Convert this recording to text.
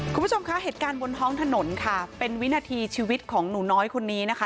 คุณผู้ชมคะเหตุการณ์บนท้องถนนค่ะเป็นวินาทีชีวิตของหนูน้อยคนนี้นะคะ